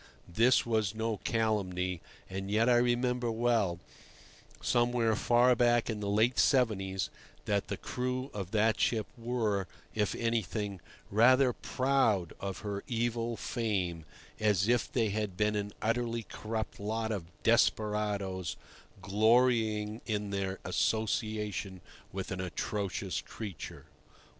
This was no calumny, and yet I remember well, somewhere far back in the late seventies, that the crew of that ship were, if anything, rather proud of her evil fame, as if they had been an utterly corrupt lot of desperadoes glorying in their association with an atrocious creature.